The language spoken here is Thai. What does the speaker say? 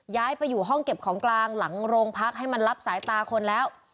ย้ายไปอยู่ห้องเก็บของกลางหลังโรงพักให้มันรับสายตาคนแล้ว